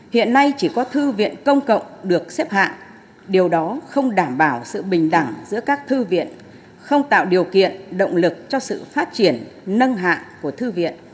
hiện nay chỉ có thư viện công cộng được xếp hạng điều đó không đảm bảo sự bình đẳng giữa các thư viện không tạo điều kiện động lực cho sự phát triển nâng hạng của thư viện